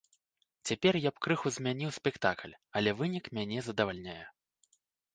Цяпер я б крыху змяніў спектакль, але вынік мяне задавальняе.